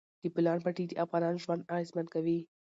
د بولان پټي د افغانانو ژوند اغېزمن کوي.